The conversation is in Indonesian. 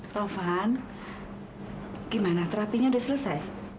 taufan gimana terapinya udah selesai